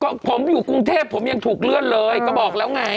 ก็ผมอยู่กรุงเทพผมยังถูกเลื่อนเลยก็บอกแล้วไง